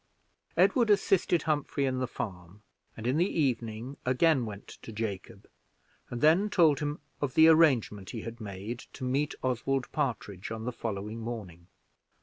Edward assisted Humphrey in the farm, and in the evening again went to Jacob, and then told him of the arrangement he had made to meet Oswald Partridge on the following morning.